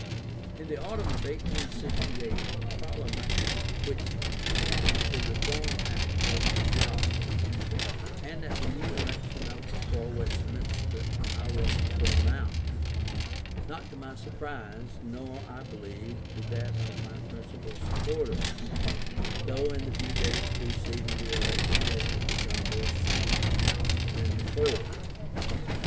In the autumn of 1868 the Parliament which passed the Reform Act was dissolved, and at the new election for Westminster I was thrown out; not to my surprise, nor, I believe, to that of my principal supporters, though in the few days preceding the election they had become more sanguine than before.